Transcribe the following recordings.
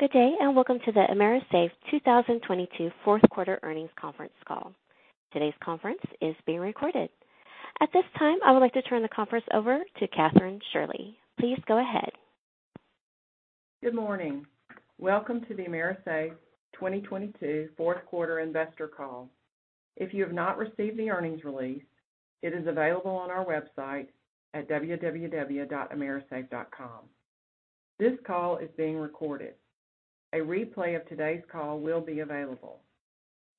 Good day, welcome to the AMERISAFE 2022 Q4 Earnings Conference Call. Today's conference is being recorded. At this time, I would like to turn the conference over to Kathryn Shirley. Please go ahead. Good morning. Welcome to the AMERISAFE 2022 Q4 investor call. If you have not received the earnings release, it is available on our website at www.amerisafe.com. This call is being recorded. A replay of today's call will be available.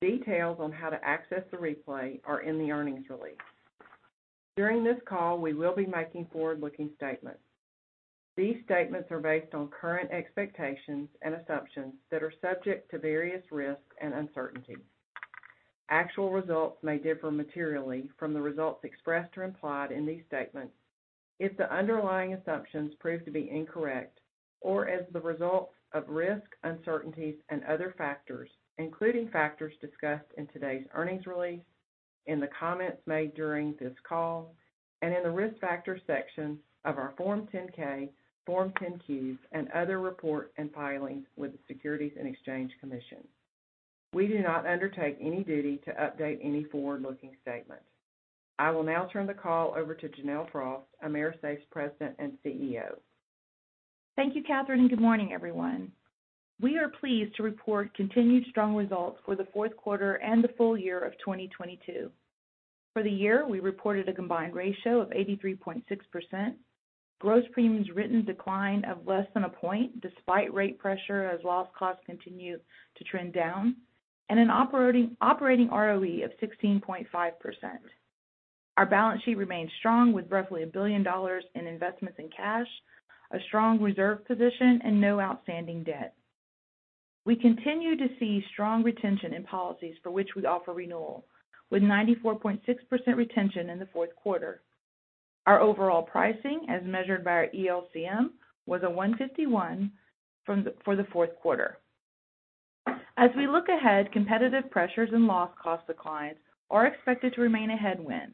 Details on how to access the replay are in the earnings release. During this call, we will be making forward-looking statements. These statements are based on current expectations and assumptions that are subject to various risks and uncertainties. Actual results may differ materially from the results expressed or implied in these statements if the underlying assumptions prove to be incorrect or as the result of risks, uncertainties and other factors, including factors discussed in today's earnings release, in the comments made during this call, and in the Risk Factors section of our Form 10-K, Form 10-Qs, and other reports and filings with the Securities and Exchange Commission. We do not undertake any duty to update any forward-looking statements. I will now turn the call over to Janelle Frost, AMERISAFE's President and CEO. Thank you, Kathryn. Good morning, everyone. We are pleased to report continued strong results for the Q4 and the Full Year of 2022. For the year, we reported a combined ratio of 83.6%, gross premiums written decline of less than a point despite rate pressure as loss costs continue to trend down, and an operating ROE of 16.5%. Our balance sheet remains strong with roughly $1 billion in investments in cash, a strong reserve position and no outstanding debt. We continue to see strong retention in policies for which we offer renewal, with 94.6% retention in the Q4. Our overall pricing, as measured by our ELCM, was 151 for the Q4. As we look ahead, competitive pressures and loss cost declines are expected to remain a headwind,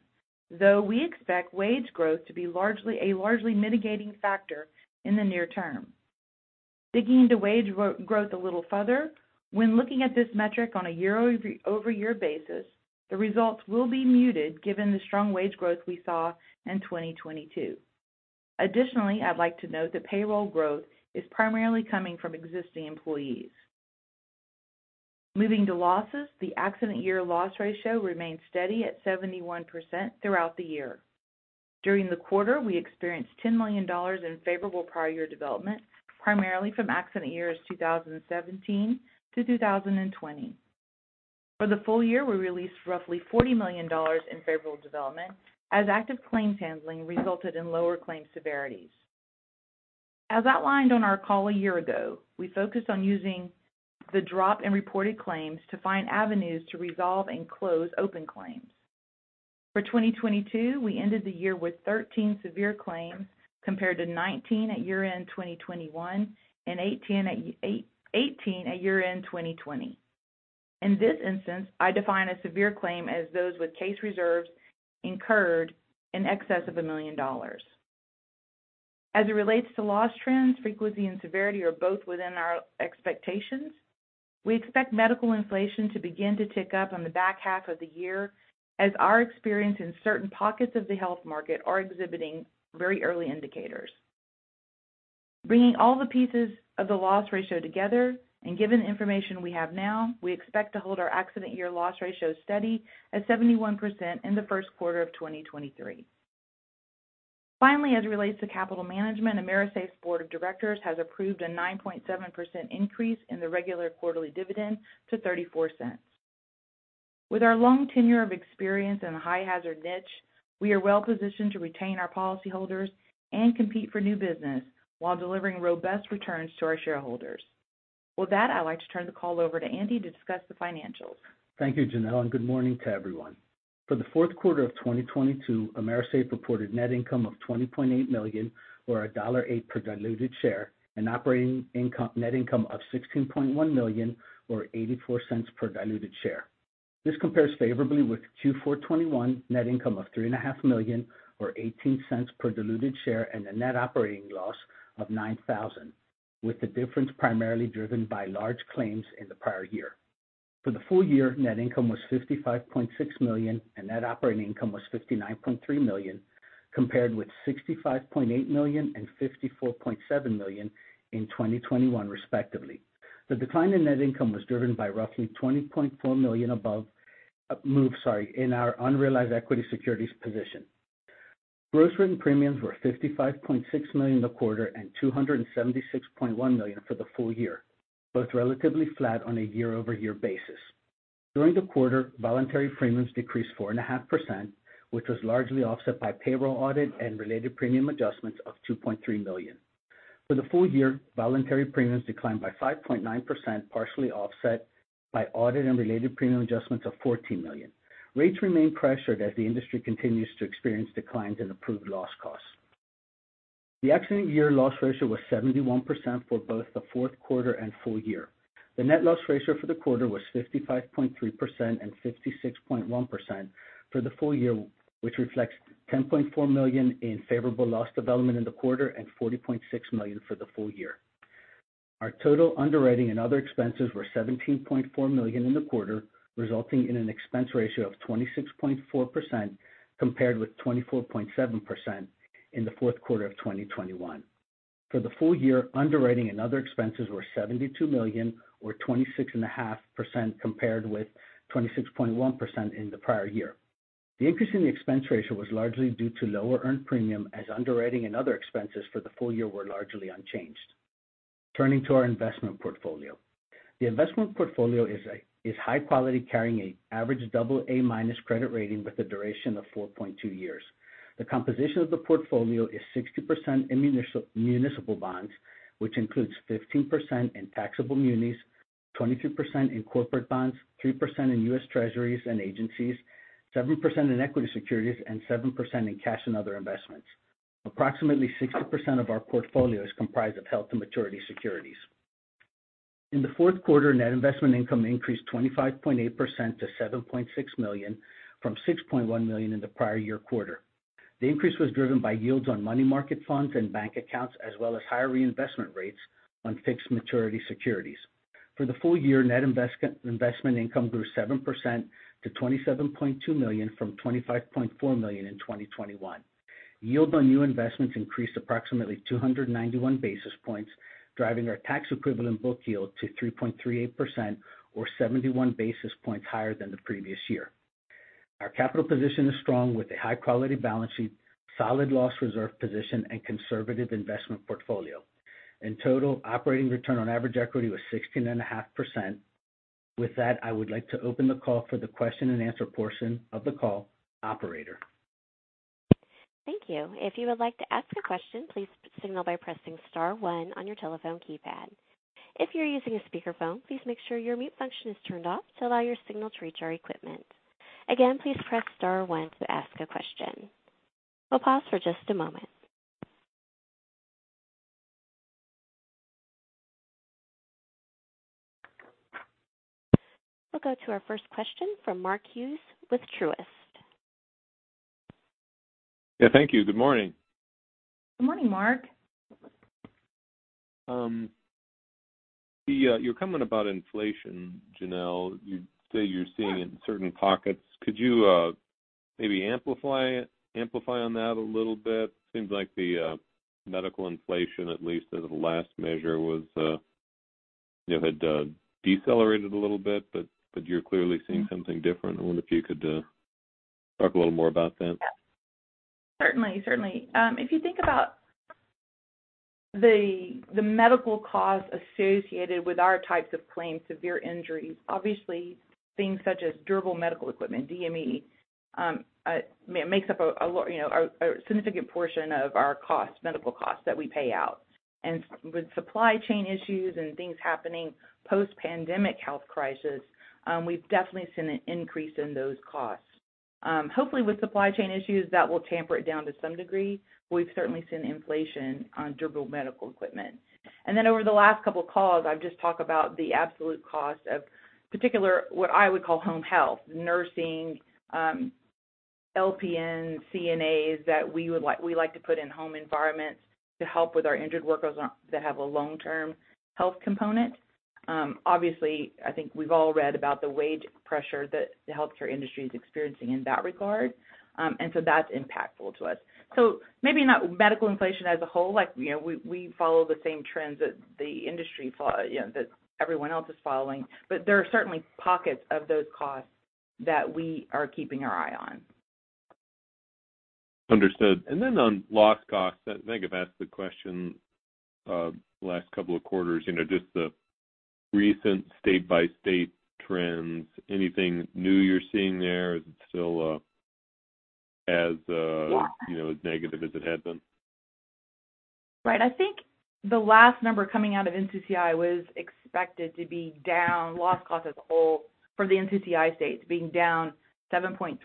though we expect wage growth to be a largely mitigating factor in the near term. Digging into wage growth a little further, when looking at this metric on a year-over-year basis, the results will be muted given the strong wage growth we saw in 2022. I'd like to note that payroll growth is primarily coming from existing employees. Moving to losses, the accident year loss ratio remains steady at 71% throughout the year. During the quarter, we experienced $10 million in favorable prior year development, primarily from accident years 2017 to 2020. For the Full Year, we released roughly $40 million in favorable development as active claims handling resulted in lower claims severities. As outlined on our call a year ago, we focused on using the drop in reported claims to find avenues to resolve and close open claims. For 2022, we ended the year with 13 severe claims, compared to 19 at year-end 2021 and 18 at year-end 2020. In this instance, I define a severe claim as those with case reserves incurred in excess of $1 million. As it relates to loss trends, frequency and severity are both within our expectations. We expect medical inflation to begin to tick up on the back half of the year as our experience in certain pockets of the health market are exhibiting very early indicators. Bringing all the pieces of the accident year loss ratio together and given the information we have now, we expect to hold our accident year loss ratio steady at 71% in the Q1 of 2023. Finally, as it relates to capital management, AMERISAFE's board of directors has approved a 9.7% increase in the regular quarterly dividend to $0.34. With our long tenure of experience in a high hazard niche, we are well positioned to retain our policyholders and compete for new business while delivering robust returns to our shareholders. With that, I'd like to turn the call over to Andy to discuss the financials. Thank you, Janelle, good morning to everyone. For the Q4 of 2022, AMERISAFE reported net income of $20.8 million or $1.08 per diluted share, and net income of $16.1 million or $0.84 per diluted share. This compares favorably with Q4 2021 net income of three and a half million or $0.18 per diluted share and a net operating loss of $9,000, with the difference primarily driven by large claims in the prior year. For the Full Year, net income was $55.6 million, and net operating income was $59.3 million, compared with $65.8 million and $54.7 million in 2021, respectively. The decline in net income was driven by roughly $20.4 million move, sorry, in our unrealized equity securities position. Gross written premiums were $55.6 million in the quarter and $276.1 million for the Full Year, both relatively flat on a year-over-year basis. During the quarter, voluntary premiums decreased 4.5%, which was largely offset by payroll audit and related premium adjustments of $2.3 million. For the Full Year, voluntary premiums declined by 5.9%, partially offset by audit and related premium adjustments of $14 million. Rates remain pressured as the industry continues to experience declines in approved loss costs. The accident year loss ratio was 71% for both the Q4 and Full Year. The net loss ratio for the quarter was 55.3% and 66.1% for the Full Year, which reflects $10.4 million in favorable loss development in the quarter and $40.6 million for the Full Year. Our total underwriting and other expenses were $17.4 million in the quarter, resulting in an expense ratio of 26.4% compared with 24.7% in the Q4 of 2021. For the Full Year, underwriting and other expenses were $72 million, or 26.5% compared with 26.1% in the prior year. The increase in the expense ratio was largely due to lower earned premium, as underwriting and other expenses for the Full Year were largely unchanged. Turning to our investment portfolio. The investment portfolio is high quality, carrying an average AA-minus credit rating with a duration of 4.2 years. The composition of the portfolio is 60% in municipal bonds, which includes 15% in taxable munis, 22% in corporate bonds, 3% in U.S. Treasuries and agencies, 7% in equity securities, and 7% in cash and other investments. Approximately 60% of our portfolio is comprised of held-to-maturity securities. In the Q4, net investment income increased 25.8% to $7.6 million from $6.1 million in the prior year quarter. The increase was driven by yields on money market funds and bank accounts, as well as higher reinvestment rates on fixed maturity securities. For the Full Year, net investment income grew 7% to $27.2 million from $25.4 million in 2021. Yield on new investments increased approximately 291 basis points, driving our tax-equivalent book yield to 3.38% or 71 basis points higher than the previous year. Our capital position is strong with a high-quality balance sheet, solid loss reserve position, and conservative investment portfolio. In total, operating return on average equity was 16.5%. With that, I would like to open the call for the question-and-answer portion of the call. Operator. Thank you. If you would like to ask a question, please signal by pressing star one on your telephone keypad. If you're using a speakerphone, please make sure your mute function is turned off to allow your signal to reach our equipment. Again, please press star one to ask a question. We'll pause for just a moment. We'll go to our first question from Mark Hughes with Truist. Yeah, thank you. Good morning. Good morning, Mark. The your comment about inflation, Janelle, you say you're seeing it in certain pockets. Could you maybe amplify on that a little bit? Seems like the medical inflation, at least as of the last measure, was, you know, had decelerated a little bit, but you're clearly seeing something different. I wonder if you could talk a little more about that. Certainly. If you think about the medical costs associated with our types of claims, severe injuries, obviously things such as durable medical equipment, DME, makes up you know, a significant portion of our costs, medical costs that we pay out. With supply chain issues and things happening post-pandemic health crisis, we've definitely seen an increase in those costs. Hopefully, with supply chain issues, that will tamper it down to some degree. We've certainly seen inflation on durable medical equipment. Over the last couple of calls, I've just talked about the absolute cost of particular, what I would call home health, nursing, LPN, CNAs that we like to put in home environments to help with our injured workers that have a long-term health component. Obviously, I think we've all read about the wage pressure that the healthcare industry is experiencing in that regard. That's impactful to us. Maybe not medical inflation as a whole. Like, you know, we follow the same trends that the industry, you know, that everyone else is following. There are certainly pockets of those costs that we are keeping our eye on. Understood. Then on loss costs, I think I've asked the question, last couple of quarters, you know, just the recent state-by-state trends. Anything new you're seeing there? Is it still as, you know, as negative as it had been? Right. I think the last number coming out of NCCI was expected to be down, loss cost as a whole for the NCCI states being down 7.3%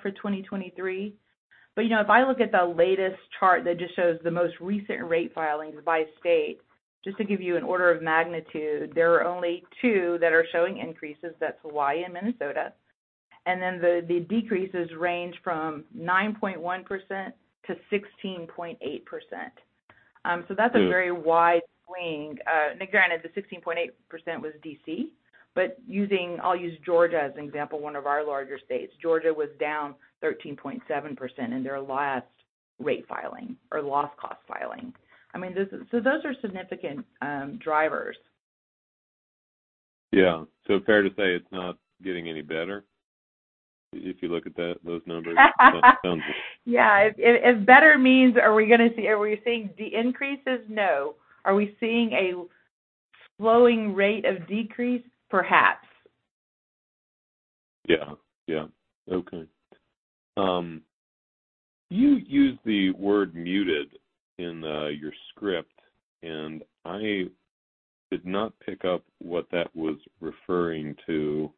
for 2023. You know, if I look at the latest chart that just shows the most recent rate filings by state, just to give you an order of magnitude, there are only two that are showing increases. That's Hawaii and Minnesota. The decreases range from 9.1% to 16.8%. That's a very wide swing. Granted, the 16.8% was D.C., but I'll use Georgia as an example, one of our larger states. Georgia was down 13.7% in their last rate filing or loss cost filing. I mean, those are significant drivers. Yeah. Fair to say it's not getting any better, if you look at that, those numbers? Sounds it. Yeah. If better means are we going to see. Are we seeing decreases? No. Are we seeing a slowing rate of decrease? Perhaps. Yeah. Okay. You used the word muted in your script, and I did not pick up what that was referring to.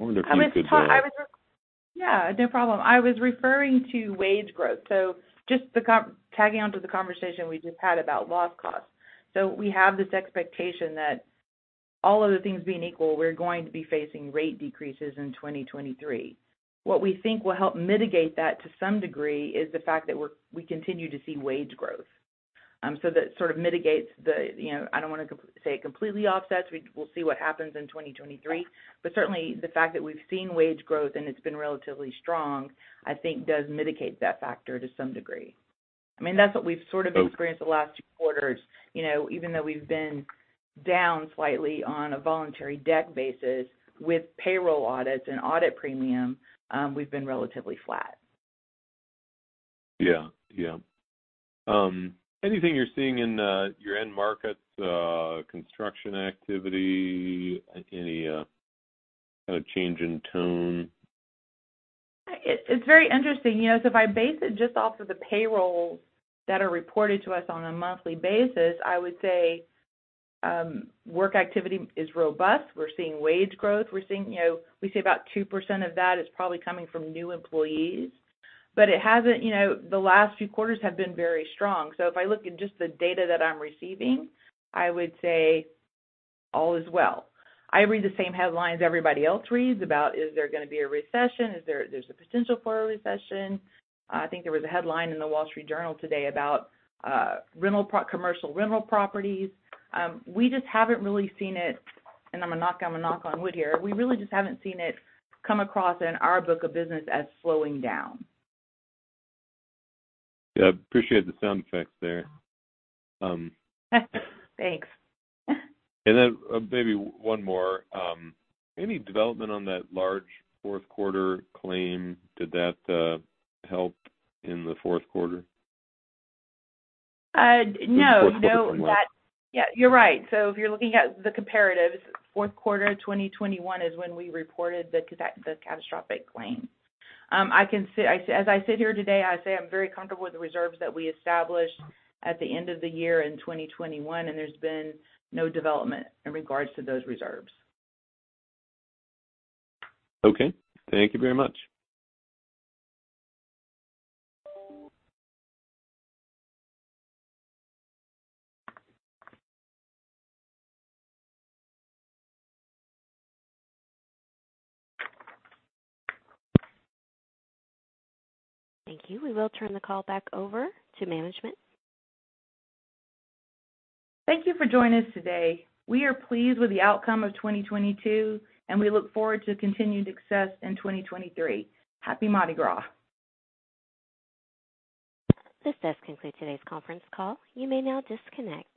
I mean, Paul, yeah, no problem. I was referring to wage growth. just tagging on to the conversation we just had about loss costs. We have this expectation that all other things being equal, we're going to be facing rate decreases in 2023. What we think will help mitigate that to some degree is the fact that we continue to see wage growth. that mitigates the, you know, I don't want to say it completely offsets. We'll see what happens in 2023. Certainly the fact that we've seen wage growth and it's been relatively strong, I think does mitigate that factor to some degree. I mean, that's what we've experienced the last two quarters. You know, even though we've been down slightly on a voluntary dec basis with payroll audits and audit premium, we've been relatively flat. Yeah. anything you're seeing in, your end markets, construction activity, change in tone? It's very interesting. You know, if I base it just off of the payrolls that are reported to us on a monthly basis, I would say, work activity is robust. We're seeing wage growth. We're seeing, you know, we say about 2% of that is probably coming from new employees. It hasn't, you know, the last few quarters have been very strong. If I look at just the data that I'm receiving, I would say all is well. I read the same headlines everybody else reads about, is there going to be a recession? There's a potential for a recession. I think there was a headline in The Wall Street Journal today about commercial rental properties. We just haven't really seen it, and I'm going to knock on wood here. We really just haven't seen it come across in our book of business as slowing down. Yeah. I appreciate the sound effects there. Thanks. Maybe one more. Any development on that large Q4 claim? Did that help in the Q4? No. You know. Q4 2021. You're right. If you're looking at the comparatives, Q4 of 2021 is when we reported the catastrophic claim. I can say, as I sit here today, I'm very comfortable with the reserves that we established at the end of the year in 2021. There's been no development in regards to those reserves. Okay. Thank you very much. Thank you. We will turn the call back over to management. Thank you for joining us today. We are pleased with the outcome of 2022. We look forward to continued success in 2023. Happy Mardi Gras. This does conclude today's conference call. You may now disconnect.